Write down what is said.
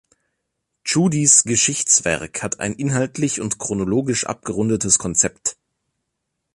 Tschudis Geschichtswerk hat ein inhaltlich und chronologisch abgerundetes Konzept.